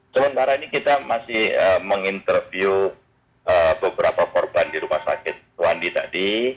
sementara ini kita masih menginterview beberapa korban di rumah sakit suwandi tadi